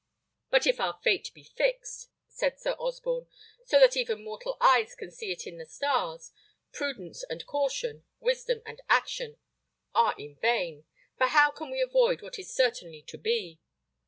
"But if our fate be fixed," said Sir Osborne, "so that even mortal eyes can see it in the stars, prudence and caution, wisdom and action, are in vain; for how can we avoid what is certainly to be?"